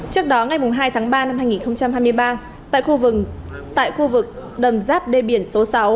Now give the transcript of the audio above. trước đó ngày hai tháng ba năm hai nghìn hai mươi ba tại khu tại khu vực đầm giáp đê biển số sáu